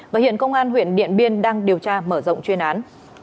và hiện công an huyện điện biên đang điều tra mở rộng chuyên án